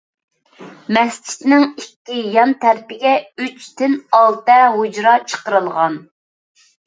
مەسچىتنىڭ ئىككى يان تەرىپىگە ئۈچتىن ئالتە ھۇجرا چىقىرىلغان.